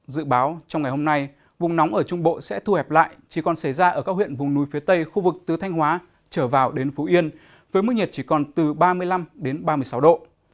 dự báo trong ngày hôm nay vùng nóng ở trung bộ sẽ thu hẹp lại chỉ còn xảy ra ở các huyện vùng núi phía tây khu vực từ thanh hóa trở vào đến phú yên với mức nhiệt chỉ còn từ ba mươi năm ba mươi sáu độ